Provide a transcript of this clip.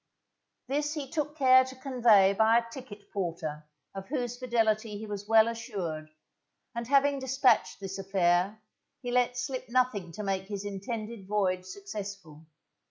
This he took care to convey by a ticket porter of whose fidelity he was well assured, and having despatched this affair, he let slip nothing to make his intended voyage successful.